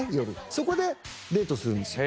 そこでデートするんですよ。